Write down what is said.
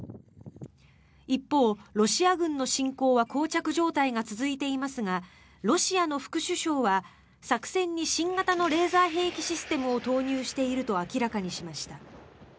一方、ロシア軍の侵攻はこう着状態が続いていますがロシアの副首相は、作戦に新型のレーザー兵器システムを投入していると明らかにしました。